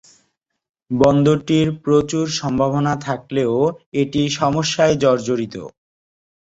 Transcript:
বন্দরটির প্রচুর সম্ভবনা থাকলেও এটি সমস্যায় জর্জরিত।